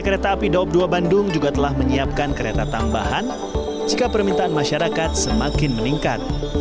kereta api daup dua bandung juga telah menyiapkan kereta tambahan jika permintaan masyarakat semakin meningkat